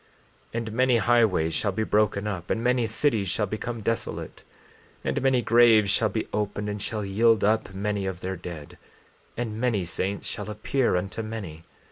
14:24 And many highways shall be broken up, and many cities shall become desolate. 14:25 And many graves shall be opened, and shall yield up many of their dead; and many saints shall appear unto many.